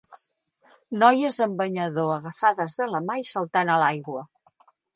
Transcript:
Noies en banyador, agafades de la mà i saltant a l'aigua.